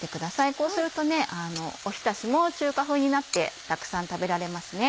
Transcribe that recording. こうするとおひたしも中華風になってたくさん食べられますね。